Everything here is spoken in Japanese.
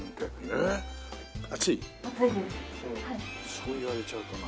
そう言われちゃうとな。